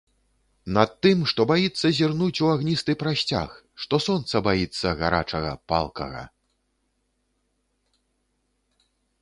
Над тым, што баіцца зірнуць у агністы прасцяг, што сонца баіцца гарачага, палкага.